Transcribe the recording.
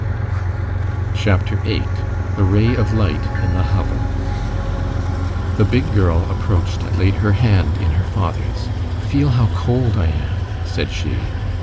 CHAPTER VIII—THE RAY OF LIGHT IN THE HOVEL The big girl approached and laid her hand in her father's. "Feel how cold I am," said she.